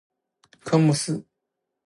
科目四